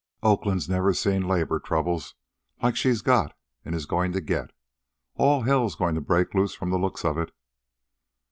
Oakland's never seen labor troubles like she's got and is goin' to get. All hell's goin' to break loose from the looks of it."